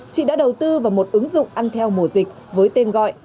chị đã đầu tư vào một ứng dụng ăn theo mùa dịch với tên gọi